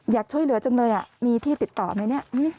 อยากช่วยเหลือจังเลยมีที่ติดต่อไหมเนี่ย